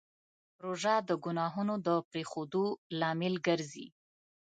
روژه د ګناهونو د پرېښودو لامل ګرځي.